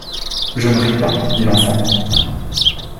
Je ne ris pas, dit l’enfant.